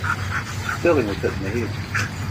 Sterling was hit in the head.